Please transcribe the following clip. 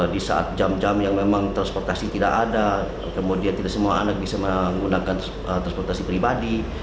di saat jam jam yang memang transportasi tidak ada kemudian tidak semua anak bisa menggunakan transportasi pribadi